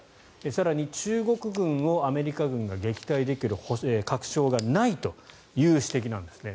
更に、中国軍をアメリカ軍が撃退できる確証がないという指摘何ですね。